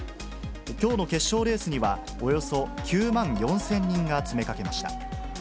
きょうの決勝レースには、およそ９万４０００人が詰めかけました。